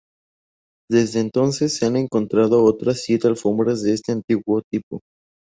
Desde entonces, se han encontrado otras siete alfombras de este antiguo tipo.